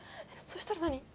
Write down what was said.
そしたら何？